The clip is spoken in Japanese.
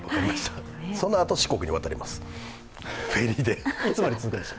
そのあと四国にフェリーで渡ります。